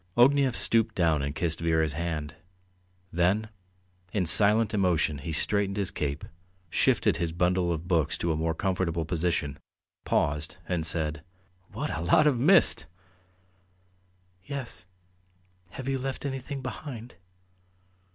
Ognev stooped down and kissed Vera's hand. Then, in silent emotion, he straightened his cape, shifted his bundle of books to a more comfortable position, paused, and said: "What a lot of mist!" "Yes. Have you left anything behind?"